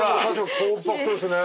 コンパクトですね。